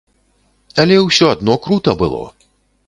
Але ўсё адно крута было.